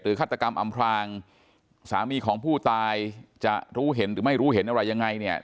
ฆาตกรรมอำพลางสามีของผู้ตายจะรู้เห็นหรือไม่รู้เห็นอะไรยังไงเนี่ย